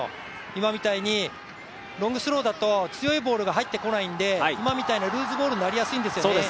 今みたいにロングスローだと強いボールが入ってこないので今みたいなルーズボールになりやすいんですよね。